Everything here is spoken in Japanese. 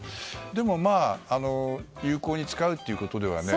でも、有効に使うということではね。